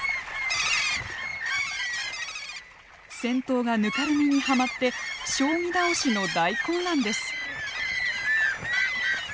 先頭がぬかるみにはまって将棋倒しの大混乱です。